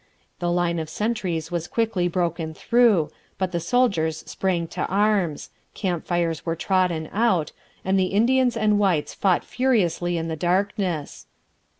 The line of sentries was quickly broken through; but the soldiers sprang to arms; camp fires were trodden out; and Indians and whites fought furiously in the darkness.